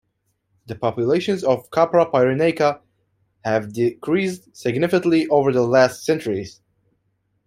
The populations of "Capra pyrenaica" have decreased significantly over the last centuries.